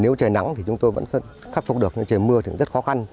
nếu trời nắng thì chúng tôi vẫn khắc phục được nhưng trời mưa thì cũng rất khó khăn